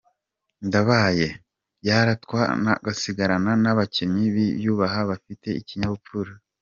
Ndababaye, byarutwa ngasigarana n’abakinnyi biyubaha bafite ikinyabupfura.